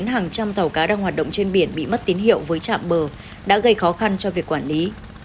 hàng trăm tàu cá đang hoạt động trên biển bị mất tín hiệu với trạm bờ đã gây khó khăn cho việc quản lý